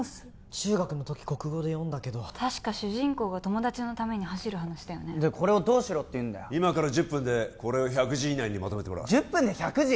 中学の時国語で読んだけど確か主人公が友達のために走る話だよねこれをどうしろっていうんだよ今から１０分でこれを１００字以内にまとめてもらう１０分で１００字？